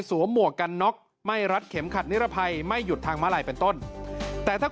หมวกกันน็อกไม่รัดเข็มขัดนิรภัยไม่หยุดทางมาลัยเป็นต้นแต่ถ้า